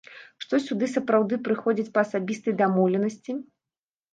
Што сюды сапраўды прыходзяць па асабістай дамоўленасці.